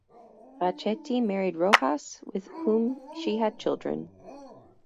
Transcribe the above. Bracetti married Rojas with whom she had children.